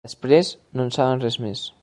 Després, no en saben res més.